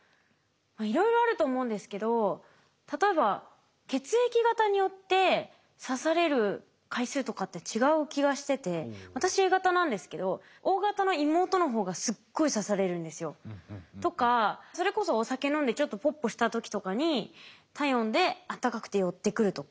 いろいろあると思うんですけど例えば血液型によって刺される回数とかって違う気がしてて私Ａ型なんですけどＯ型の妹の方がすっごい刺されるんですよ。とかそれこそお酒飲んでちょっとポッポした時とかに体温であったかくて寄ってくるとか。